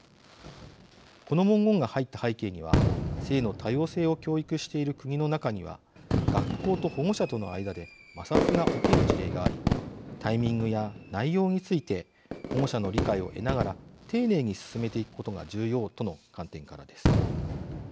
この文言が入った背景には性の多様性を教育している国の中には学校と保護者との間で摩擦が起きる事例がありタイミングや内容について保護者の理解を得ながら丁寧に進めていくことが重要との観点からです。